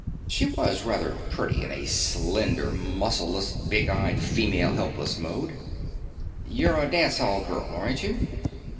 She was rather pretty in a slender, muscleless, big eyed, female helpless mode. "You're a dance hall girl, aren't you?"